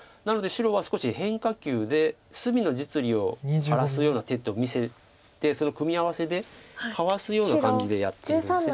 なので白は少し変化球で隅の実利を荒らすような手と見せてその組み合わせでかわすような感じでやっています。